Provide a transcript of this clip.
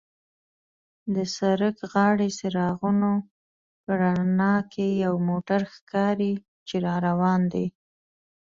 د سړک غاړې څراغونو په رڼا کې یو موټر ښکاري چې را روان دی.